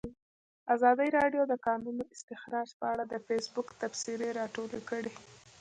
ازادي راډیو د د کانونو استخراج په اړه د فیسبوک تبصرې راټولې کړي.